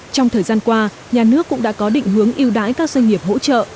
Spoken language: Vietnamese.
trong thời gian qua nhà nước cũng đã có định hướng yêu đáy các doanh nghiệp hỗ trợ